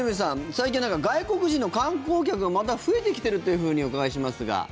最近は外国人の観光客がまた増えてきているというふうにお伺いしますが。